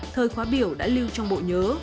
thời khóa biểu đã lưu trong bộ nhớ